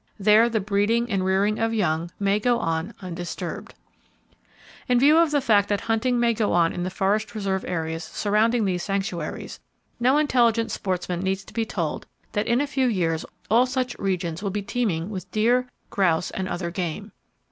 There the breeding and rearing of young may go on undisturbed. [Page 347] In view of the fact that hunting may go on in the forest reserve areas surrounding these sanctuaries, no intelligent sportsman needs to be told that in a few years all such regions will be teeming with deer, grouse and other game.